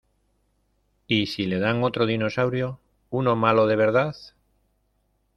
¿ Y si le dan otro dinosaurio? ¿ uno malo de verdad ?